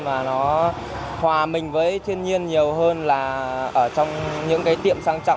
mà nó hòa mình với thiên nhiên nhiều hơn là ở trong những cái tiệm sang trọng